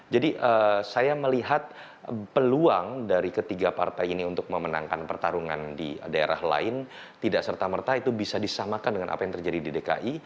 jadi saya melihat peluang dari ketiga partai ini untuk memenangkan pertarungan di daerah lain tidak serta merta itu bisa disamakan dengan apa yang terjadi di dki